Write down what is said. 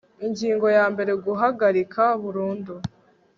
Ingingo ya mbere Guhagarika burundu